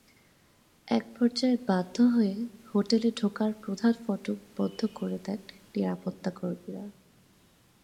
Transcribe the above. একপর্যায়ে বাধ্য হয়ে হোটেলে ঢোকার প্রধান ফটক বন্ধ করে দেন নিরাপত্তাকর্মীরা।